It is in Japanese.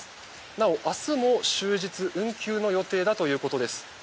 なお、明日も終日運休の予定だということです。